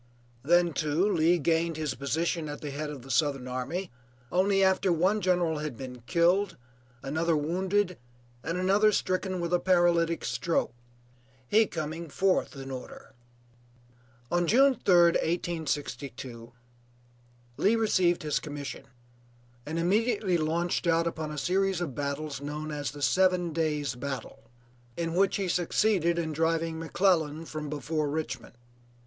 Then, too, Lee gained his position at the head of the Southern army only after one general had been killed, another wounded, and another stricken with a paralytic stroke; he coming fourth in order. On June 3d, 1862, Lee received his commission, and immediately launched out upon a series of battles known as the seven days battle, in which he succeeded in driving McClellan from before Richmond.